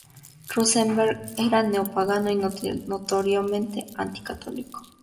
Rosenberg era neo-pagano y notoriamente anti-católico.